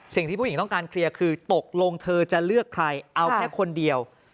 สิ่งที่ผู้หญิงต้องการเคลียร์คือตกลงเธอจะเลือกใครเอาแค่คนเดียว